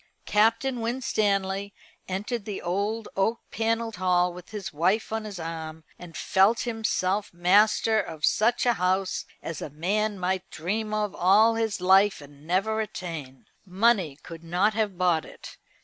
Captain Winstanley entered the old oak panelled hall with his wife on his arm, and felt himself master of such a house as a man might dream of all his life and never attain. Money could not have bought it.